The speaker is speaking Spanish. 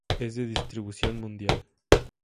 Es de distribución mundial.